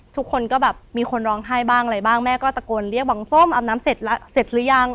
ทุกคนก็แบบมีคนร้องไห้บ้างอะไรบ้างแม่ก็ตะโกนเรียกบังส้มอาบน้ำเสร็จหรือยัง